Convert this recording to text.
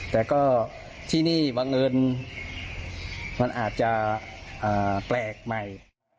แต่ก็ที่นี่บังเอิญมันอาจจะแปลกใหม่